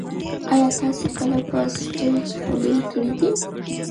ایا تاسي کله په سټیج خبرې کړي دي؟